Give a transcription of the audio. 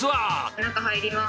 中に入りまーす。